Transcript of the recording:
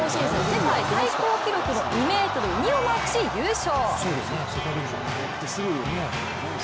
世界最高記録の２ｍ２をマークし、優勝。